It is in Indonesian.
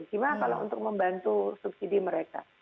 cuma kalau untuk membantu subsidi mereka